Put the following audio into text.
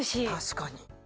確かに。